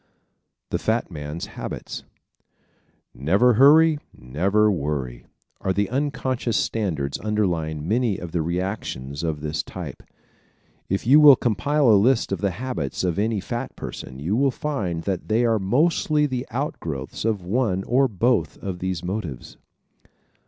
The Fat Man's Habits ¶ "Never hurry and never worry" are the unconscious standards underlying many of the reactions of this type. If you will compile a list of the habits of any fat person you will find that they are mostly the outgrowths of one or both of these motives.